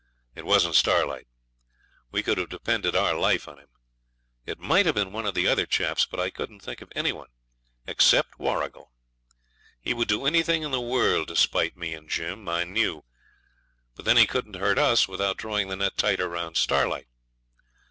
It wasn't Starlight. We could have depended our life on him. It might have been one of the other chaps, but I couldn't think of any one, except Warrigal. He would do anything in the world to spite me and Jim, I knew; but then he couldn't hurt us without drawing the net tighter round Starlight.